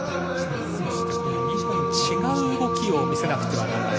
２本違う動きを見せなくてはならない。